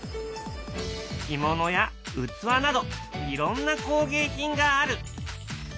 着物や器などいろんな工芸品がある。